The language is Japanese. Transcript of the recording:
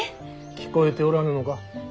聞こえておらぬのか。